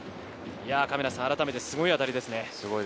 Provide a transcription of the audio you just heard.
あらためてすごい当たりですね。